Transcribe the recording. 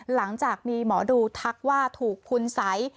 หลังจากมีหมอดูทักว่าถูกคุณสัย